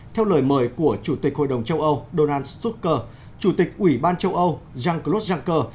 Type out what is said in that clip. theo lời mời của chủ tịch hội đồng châu âu donald stuker chủ tịch ủy ban châu âu jean claude juncker